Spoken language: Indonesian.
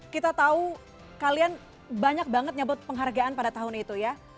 kita tahu kalian banyak banget nyebut penghargaan pada tahun itu ya